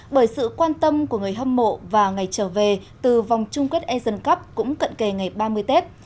bởi sự quan tâm của người hâm mộ và ngày trở về từ vòng chung kết asian cup cũng cận kề ngày ba mươi tết